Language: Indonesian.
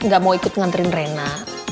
gak mau ikut nganterin rena